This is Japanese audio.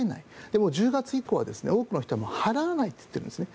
で、１０月以降は多くの人は払わないと言っているんですね。